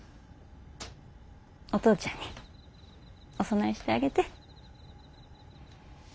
お父ちゃんにお供えしてあげて。